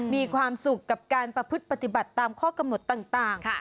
มีความสุขกับการประพฤติปฏิบัติตามข้อกำหนดต่าง